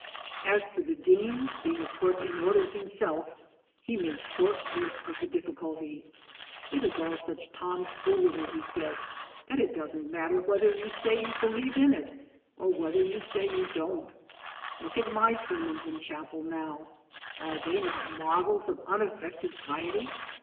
As to the Dean, being of course in Orders himself he made short work of the difficulty : "It is all such tomfoolery," he said, " that it doesn't matter whether you say you believe in it, or whether you say you don't. Look at my sermons in chapel now are they not models of unaffected piety